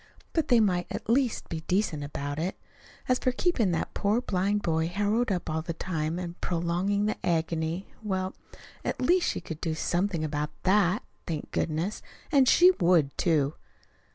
But they might at least be decent about it. As for keeping that poor blind boy harrowed up all the time and prolonging the agony well, at least she could do something about THAT, thank goodness! And she would, too.